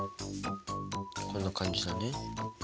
こんな感じだね。